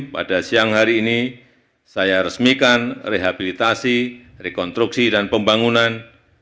pada siang hari ini saya resmikan rehabilitasi rekonstruksi dan pembangunan